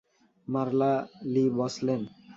মারলা লি বসলেন।